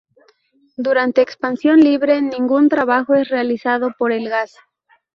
Durante expansión libre, ningún trabajo es realizado por el gas.